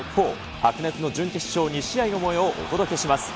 白熱の準決勝２試合のもようをお届けします。